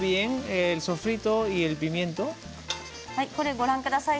ご覧ください。